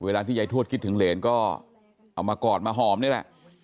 ที่ยายทวดคิดถึงเหรนก็เอามากอดมาหอมนี่แหละ